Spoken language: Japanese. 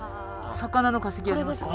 魚の化石ありますね。